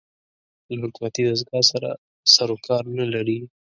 له حکومتي دستګاه سره سر و کار نه لري